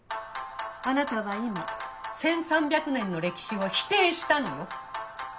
あなたは今１，３００年の歴史を否定したのよ。